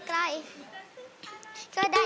ใจเข้าเข้ามาไกล